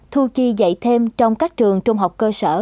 thu chi dạy thêm trong các trường trung học cơ sở